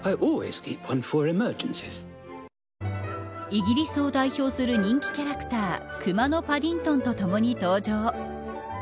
イギリスを代表する人気キャラクターくまのパディントンとともに登場。